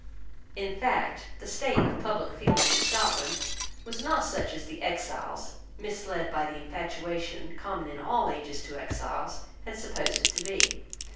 In fact, the state of public feeling in Scotland was not such as the exiles, misled by the infatuation common in all ages to exiles, had supposed it to be.